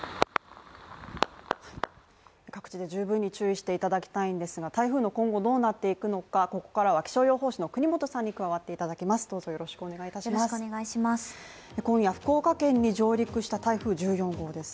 各地で十分に注意していただきたいんですが台風今後どうなっていくのか、ここからは気象予報士の國本さんに加わっていただきます。